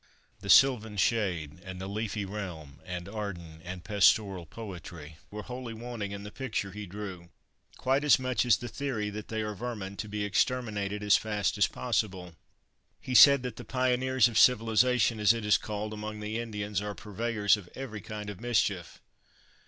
The sylvan shade and the leafy realm and Arden and pastoral poetry were wholly wanting in the picture he drew, quite as much as the theory that they are vermin to be exterminated as fast as possible. He said that the pioneers of civilization, as it is called, among the Indians are purveyors of every kind of mischief.